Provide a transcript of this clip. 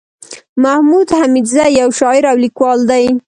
محمود حميدزى يٶ شاعر او ليکوال دئ